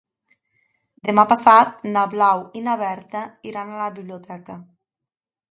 Demà passat na Blau i na Berta iran a la biblioteca.